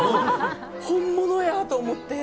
本物やと思って。